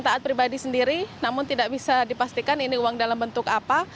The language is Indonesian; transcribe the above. taat pribadi sendiri namun tidak bisa dipastikan ini uang dalam bentuk apa